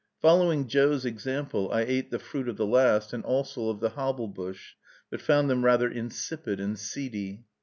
Following Joe's example, I ate the fruit of the last, and also of the hobble bush, but found them rather insipid and seedy.